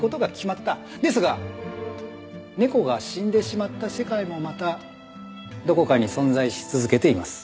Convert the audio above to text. ですが猫が死んでしまった世界もまたどこかに存在し続けています。